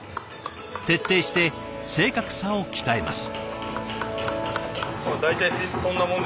徹底して正確さを鍛えます。